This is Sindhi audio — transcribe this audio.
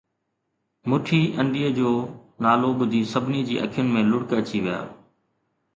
مٺي انڊيءَ جو نالو ٻڌي سڀني جي اکين ۾ لڙڪ اچي ويا